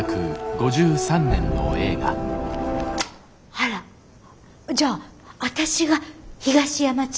あらじゃあ私が東山千栄子ね。